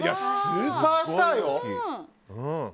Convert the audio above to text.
スーパースターよ。